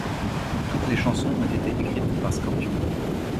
Toutes les chansons ont été écrites par Scorpions.